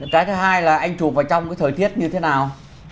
cái thứ hai là anh chụp vào trong cái thời tiết như thế nào